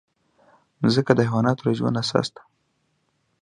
مځکه د حیواناتو د ژوند اساس ده.